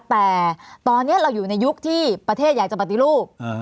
แต่ตอนนี้เราอยู่ในยุคที่ประเทศอยากจะปฏิรูป